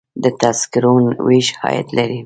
د تذکرو ویش عاید لري